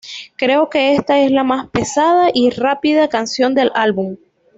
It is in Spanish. Creo que esta es la más pesada y rápida canción del álbum.